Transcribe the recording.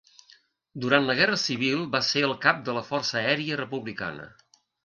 Durant la Guerra Civil va ser el cap de la Força Aèria Republicana.